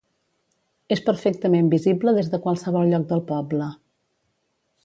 És perfectament visible des de qualsevol lloc del poble.